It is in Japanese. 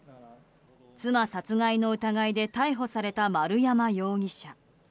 妻殺害の疑いで逮捕された丸山容疑者。